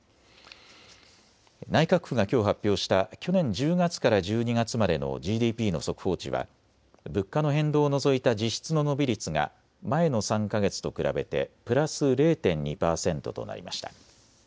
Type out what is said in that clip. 内閣府がきょう発表した去年１０月から１２月までのＧＤＰの速報値は物価の変動を除いた実質の伸び率が前の３か月と比べプラス０．２％となりました。